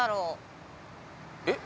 えっ？